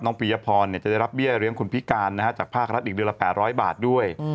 ปียพรจะได้รับเบี้ยเลี้ยงคุณพิการจากภาครัฐอีกเดือนละ๘๐๐บาทด้วย